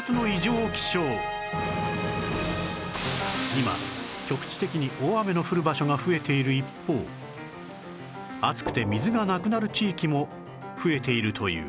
今局地的に大雨の降る場所が増えている一方暑くて水がなくなる地域も増えているという